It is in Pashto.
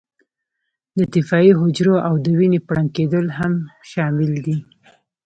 د دفاعي حجرو او د وینې پړن کېدل هم شامل دي.